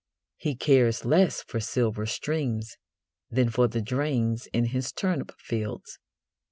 He cares less for silver streams than for the drains in his turnip fields.